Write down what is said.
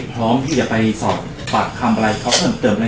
พร้อมที่จะไปสอบปากคำอะไรเขาเพิ่มเติมนะ